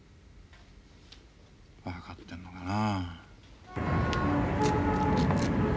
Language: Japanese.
分かってんのかなあ。